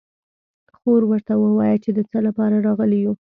خو ورته ووايه چې د څه له پاره راغلي يو.